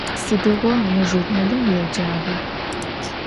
Sıdiğo mı jjurnalım vuêcağa?